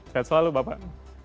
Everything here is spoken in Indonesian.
sehat selalu bapak